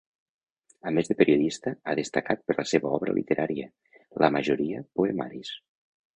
A més de periodista, ha destacat per la seva obra literària; la majoria, poemaris.